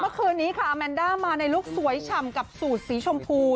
เมื่อคืนนี้ค่ะแมนด้ามาในลุคสวยฉ่ำกับสูตรสีชมพู